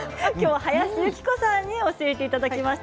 林幸子さんに教えていただきました。